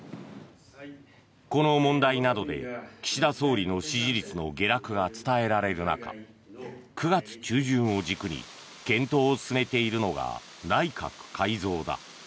この問題などで岸田総理の支持率の下落が伝えられる中９月中旬を軸に検討を進めているのが内閣改造だ。